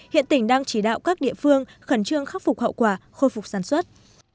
hiện tỉnh đang chỉ đạo các địa phương khẩn trương khắc phục hậu quả khôi phục sản xuất